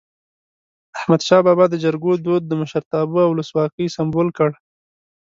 احمد شاه بابا د جرګو دود د مشرتابه او ولسواکی سمبول کړ.